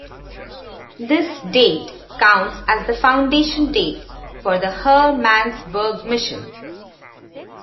This date counts as the foundation date for the Hermannsburg Mission.